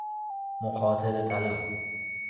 مخاطره طلب